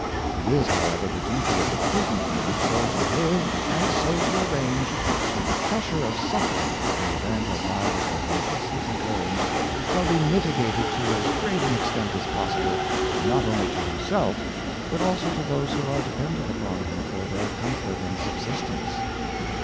It is, however, the duty of the prudent man so to live, and so to arrange, that the pressure of suffering, in the event of either contingency occurring, shall be mitigated to as great an extent as possible, not only to himself, but also to those who are dependent Money — Its Use aicd Abuse. 379 upon him for their comfort and subsistence.